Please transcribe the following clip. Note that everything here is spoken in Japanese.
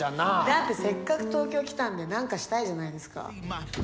だってせっかく東京来たんで何かしたいじゃないですか。